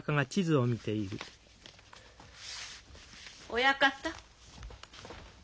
親方。